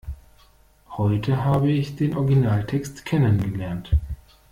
Heute habe ich den Originaltext kennen gelernt.